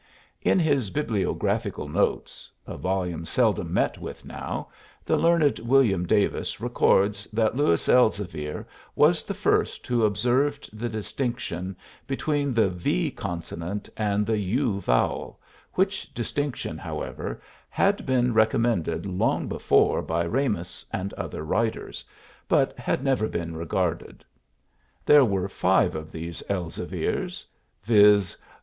In his bibliographical notes (a volume seldom met with now) the learned William Davis records that Louis Elzevir was the first who observed the distinction between the v consonant and the u vowel, which distinction, however, had been recommended long before by Ramus and other writers, but had never been regarded. There were five of these Elzevirs, viz.